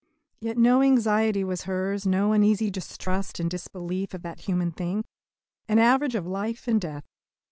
Yet no anxiety was hers, no uneasy distrust and disbelief of that human thing an average of life and death.